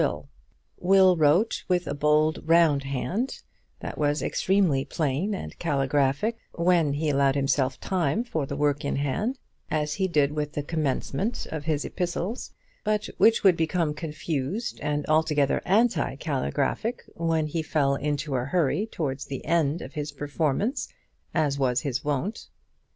Will wrote with a bold round hand, that was extremely plain and caligraphic when he allowed himself time for the work in hand, as he did with the commencement of his epistles, but which would become confused and altogether anti caligraphic when he fell into a hurry towards the end of his performance, as was his wont.